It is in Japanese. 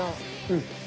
うん。